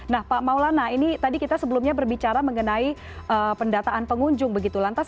nah pak maulana ini tadi kita sebelumnya berbicara mengenai pendataan pengunjung begitu lantas